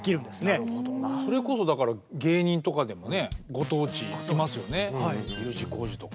それこそだから芸人とかでもねご当地いますよね。